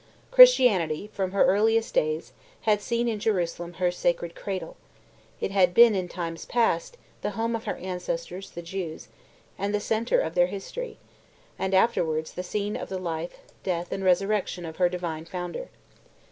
Christianity, from her earliest days, had seen in Jerusalem her sacred cradle; it had been, in past times, the home of her ancestors, the Jews, and the centre of their history; and, afterwards, the scene of the life, death, and resurrection of her Divine Founder.